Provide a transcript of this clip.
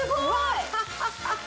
ワハハハ！